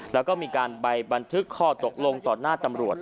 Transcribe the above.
แล้วก็มีการใบบันทึกข้อตกลงต่อหน้าตำรวจ